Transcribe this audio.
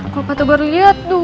kalau pak togar liat tuh